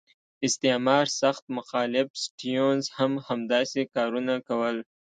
استعمار سخت مخالف سټیونز هم همداسې کارونه کول.